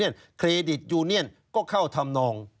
ชีวิตกระมวลวิสิทธิ์สุภาณฑ์